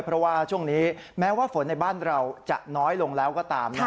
เพราะว่าช่วงนี้แม้ว่าฝนในบ้านเราจะน้อยลงแล้วก็ตาม